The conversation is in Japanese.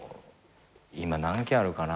今何件あるかな？